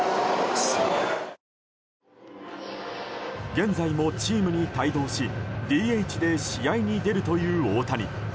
現在もチームに帯同しＤＨで試合に出るという大谷。